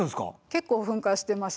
結構噴火してます